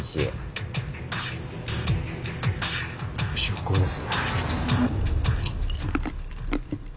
出向です。